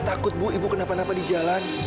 takut bu ibu kenapa napa di jalan